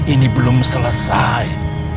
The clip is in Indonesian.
ini belum selesai